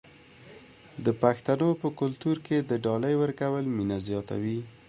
د پښتنو په کلتور کې د ډالۍ ورکول مینه زیاتوي.